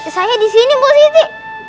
saya disini bu siti